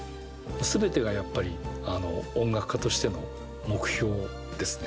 全てがやっぱり音楽家としての目標ですね。